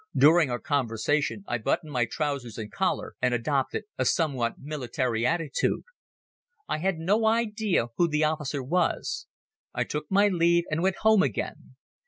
During our conversation I buttoned my trousers and collar and adopted a somewhat military attitude. I had no idea who the officer was. I took my leave and went home again.